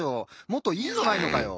もっといいのないのかよ？